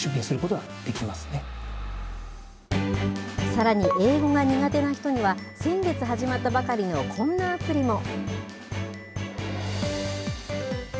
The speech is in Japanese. さらに、英語が苦手な人には、先月始まったばかりのこんなアプリも。